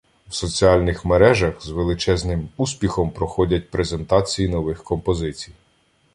В соціальних мережах з величезним успіхом проходять презентації нових композицій.